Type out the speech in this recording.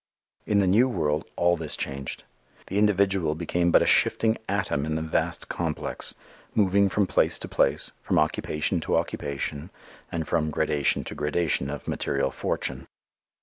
In the new world all this changed. The individual became but a shifting atom in the vast complex, moving from place to place, from occupation to occupation and from gradation to gradation of material fortune.